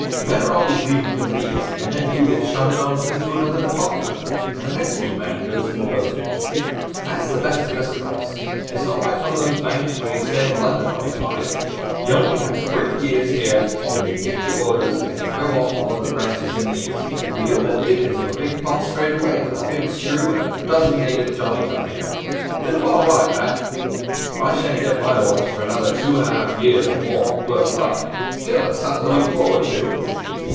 Men are always leaving for the East, and then you get shunted on into another department, and the next new man goes into the postage. That's the best of this place. It's not like one of those banks where you stay in London all your life. You only have three years here, and then you get your orders, and go to one of the branches in the East, where you're the dickens of a big pot straight away, with a big screw and a dozen native Johnnies under you. Bit of all right, that. I shan't get my orders for another two and a half years and more, worse luck. Still, it's something to look forward to.'